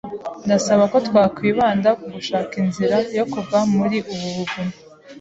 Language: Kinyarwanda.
Ndasaba ko twakwibanda ku gushaka inzira yo kuva muri ubu buvumo.